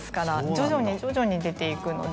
徐々に徐々に出ていくので。